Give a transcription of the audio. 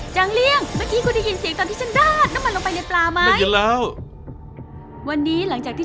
จางเลี่ยง